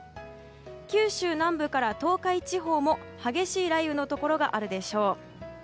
九州南部から東海地方も激しい雷雨のところがあるでしょう。